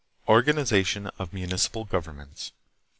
Organization of Municipal Governments.